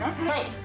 はい。